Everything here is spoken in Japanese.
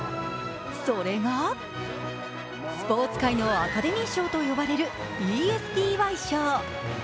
それがスポーツ界のアカデミー賞と呼ばれるＥＳＰＹ賞。